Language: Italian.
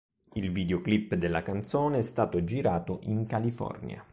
Il videoclip della canzone è stato girato in California.